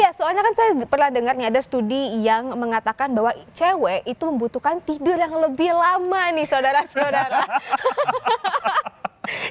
iya soalnya kan saya pernah dengar nih ada studi yang mengatakan bahwa icw itu membutuhkan tidur yang lebih lama nih saudara saudara